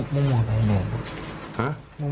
เมื่อไปทางนอก